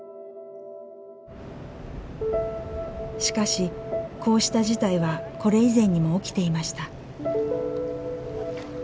しかしこうした事態はこれ以前にも起きていました。